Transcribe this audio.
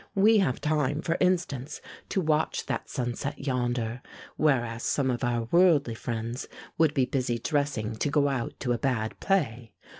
We have time, for instance, to watch that sunset yonder, whereas some of our worldly friends would be busy dressing to go out to a bad play.